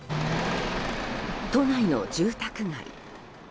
都内の住宅街。